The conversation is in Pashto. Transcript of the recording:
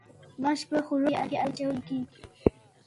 ماش په ښوروا کې اچول کیږي.